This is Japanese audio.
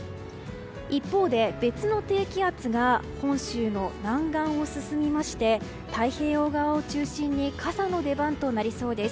一方で別の低気圧が本州の南岸を進みまして太平洋側を中心に傘の出番となりそうです。